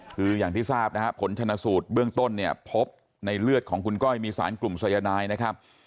คืออย่างที่ทราบนะฮะผลชนะสูตรเบื้องต้นเนี่ยพบในเลือดของคุณก้อยมีสารกลุ่มสายนายนะครับ